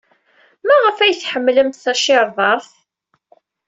Maɣef ay tḥemmlemt tacirḍart?